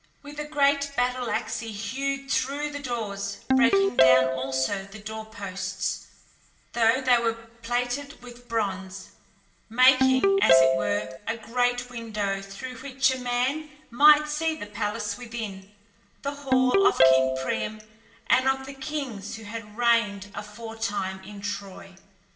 With a great battle axe he hewed through the doors, breaking down also the door posts, though they were plated with bronze, making, as it were, a great window, through which a man might see the palace within, the hall of King Priam and of the kings who had reigned aforetime in Troy.